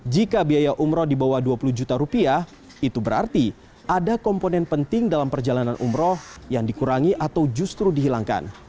jika biaya umroh di bawah dua puluh juta rupiah itu berarti ada komponen penting dalam perjalanan umroh yang dikurangi atau justru dihilangkan